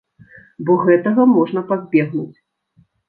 Бо гэтага можна пазбегнуць.